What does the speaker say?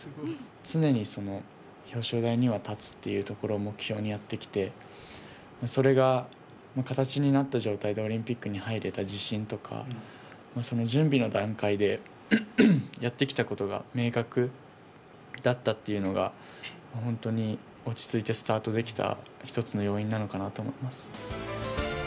常に表彰台に立つということを目標にやってきて、それが形になった状態でオリンピックに入れた自信とかその準備の段階でやってきたことが明確だったというのが本当に落ち着いてスタートできた一つの要因なのかなと思ってます。